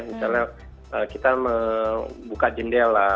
misalnya kita membuka jendela